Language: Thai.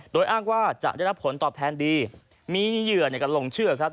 โดยอ้างว่าจะได้รับผลตอบแทนดีมีเหยื่อในการลงเชื่อครับ